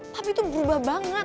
papi tuh berubah banget